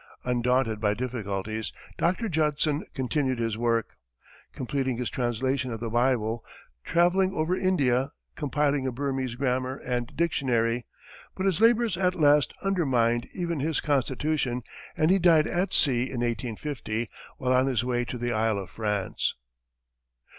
Undaunted by difficulties, Dr. Judson continued his work, completing his translation of the Bible, travelling over India, compiling a Burmese grammar and dictionary, but his labors at last undermined even his constitution and he died at sea in 1850, while on his way to the Isle of France.